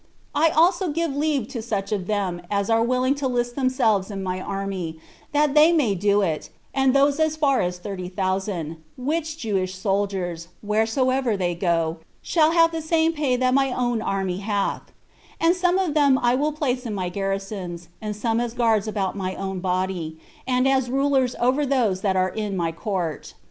I also give leave to such of them as are willing to list themselves in my army, that they may do it, and those as far as thirty thousand; which Jewish soldiers, wheresoever they go, shall have the same pay that my own army hath; and some of them I will place in my garrisons, and some as guards about mine own body, and as rulers over those that are in my court.